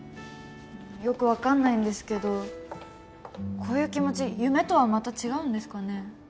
よく分かんないんですけどこういう気持ち夢とはまた違うんですかね？